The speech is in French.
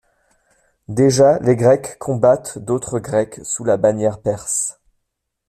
Déjà, des Grecs combattent d'autres Grecs sous la bannière perse.